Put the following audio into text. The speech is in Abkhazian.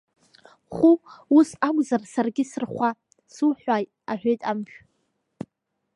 Хәы, ус акәзар, саргьы сырхәа, суҳәуаит, аҳәит амшә.